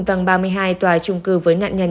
tầng ba mươi hai tòa chung cư với nạn nhân